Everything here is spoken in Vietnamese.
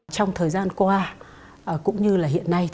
trong thời gian qua cũng như hiện nay